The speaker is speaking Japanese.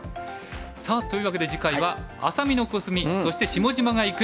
さあというわけで次回は「愛咲美のコスミ」そして「下島が行く！」。